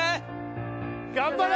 頑張れ！